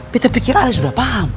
kita pikir ahli sudah paham